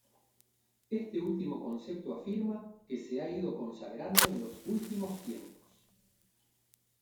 Este último concepto afirma que se ha ido consagrando en los últimos tiempos.